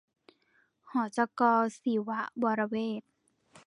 หจก.ศิวะวรเวท